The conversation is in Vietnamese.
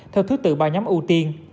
theo thứ tự bào nhóm ưu tiên